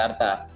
nah inilah yang